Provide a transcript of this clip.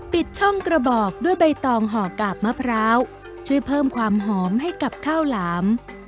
ปิดช่องกระบอกด้วยใบตองห่อกาบมะพร้าวช่วยเพิ่มความหอมให้กับข้าวหลาม